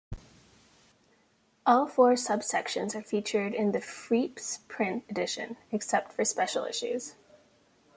All four sub-sections are featured in the FreeP's print edition, except for special issues.